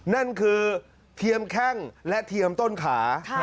นั่นคือเทียมแข้งและเทียมต้นขา